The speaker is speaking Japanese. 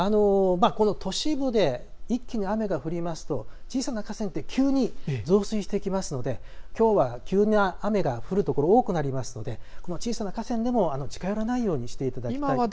都市部で一気に雨が降りますと小さな河川が急に増水してきますので、きょうは急な雨が降る所、多くなりますので小さな河川でも近寄らないようにしていただきたいと思います。